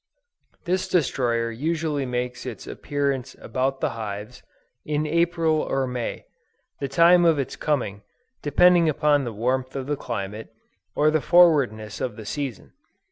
This destroyer usually makes its appearance about the hives, in April or May; the time of its coming, depending upon the warmth of the climate, or the forwardness of the season.